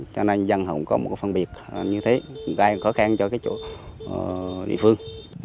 cho nên dân họ cũng có một phân biệt như thế gây khó khăn cho cái chỗ địa phương